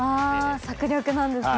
策略なんですね。